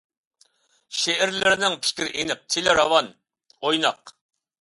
شېئىرلىرىنىڭ پىكرى ئېنىق، تىلى راۋان، ئويناق.